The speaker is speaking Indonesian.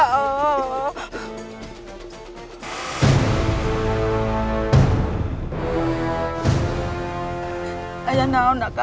aku tidak mau raka